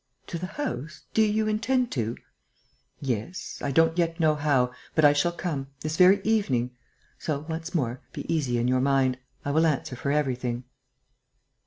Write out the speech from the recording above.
"To the house? Do you intend to?" "Yes. I don't yet know how ... But I shall come.... This very evening.... So, once more, be easy in your mind. I will answer for everything."